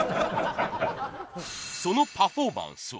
そのパフォーマンスは。